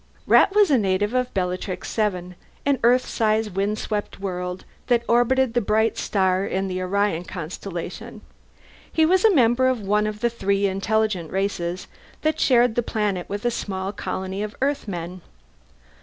Rat was a native of Bellatrix VII, an Earth size windswept world that orbited the bright star in the Orion constellation. He was a member of one of the three intelligent races that shared the planet with a small colony of Earthmen.